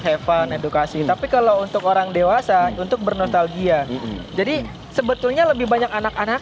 haven edukasi tapi kalau untuk orang dewasa untuk bernostalgia jadi sebetulnya lebih banyak anak anak